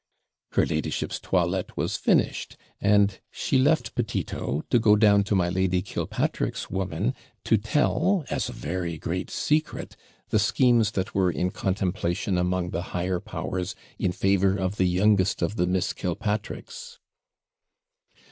Her ladyship's toilette was finished; and she left Petito to go down to my Lady Killpatrick's woman, to tell, as a very great secret, the schemes that were in contemplation among the higher powers, in favour of the youngest of the Miss Killpatricks.